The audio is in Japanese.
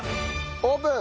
オープン！